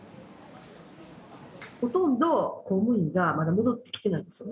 ほとんど公務員がまだ戻ってきてないんですね。